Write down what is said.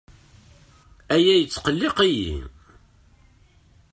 Aya yettqelliq-iyi.